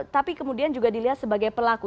tapi kemudian juga dilihat sebagai pelaku